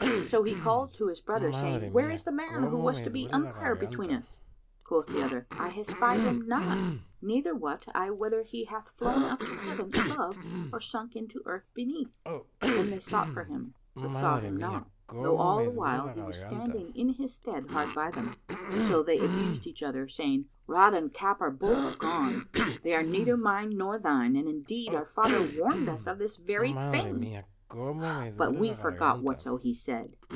So he called to his brother, saying, "Where is the man who was to be umpire between us?" Quoth the other, "I espy him not neither wot I whether he hath flown up to heaven above or sunk into earth beneath." Then they sought for him, but saw him not, though all the while he was standing in his stead hard by them. So they abused each other, saying, "Rod and Cap are both gone; they are neither mine nor thine: and indeed our father warned us of this very thing; but we forgot whatso he said."